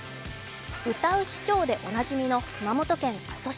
歌う市長でおなじみの熊本県阿蘇市。